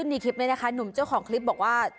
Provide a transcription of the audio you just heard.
ในคลิปนี้นะคะหนุ่มเจ้าของคลิปบอกว่า